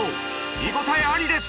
見応えありです！